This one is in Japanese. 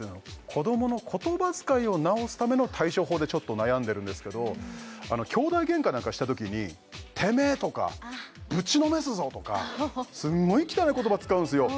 子どもの言葉遣いを直すための対処法でちょっと悩んでるんですけど兄弟げんかなんかしたときに「てめえ」とか「ぶちのめすぞ」とかすんごい汚い言葉使うんですよ